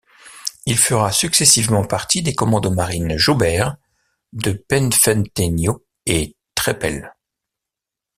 Il fera successivement partie des commandos marine Jaubert, de Penfentenyo et Trépel.